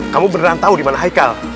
kamu beneran tau dimana haikal